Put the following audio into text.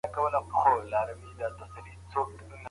د منځنۍ پېړۍ د وخت پادشاهان ډېر مذهبي او ظالم وو.